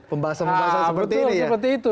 pembahasan pembahasan seperti ini ya